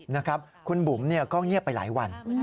นะครับคุณบุ๋มก็เงียบไปหลายวัน